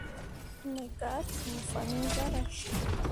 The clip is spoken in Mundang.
Me gah cuu fan iŋ zarah.